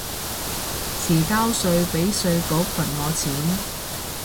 遲交稅被稅局罰我錢